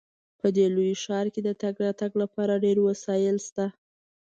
په دې لوی ښار کې د تګ راتګ لپاره ډیر وسایل شته